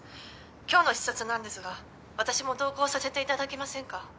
今日の視察なんですが私も同行させていただけませんか。